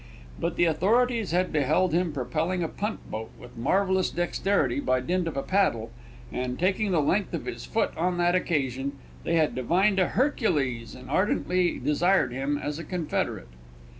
But the authorities had beheld him propelling a punt boat with marvellous dexterity by dint of a paddle, and, taking the length of his foot on that occasion, they had divined a Hercules and ardently desired him as a confederate.